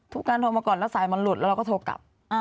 การโทรมาก่อนแล้วสายมันหลุดแล้วเราก็โทรกลับ